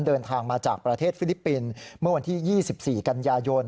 เดินทางมาจากประเทศฟิลิปปินส์เมื่อวันที่๒๔กันยายน